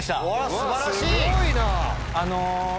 すごいな！